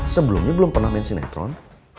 sebelumnya belum pernah main sinetron